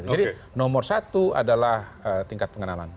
jadi nomor satu adalah tingkat pengenalan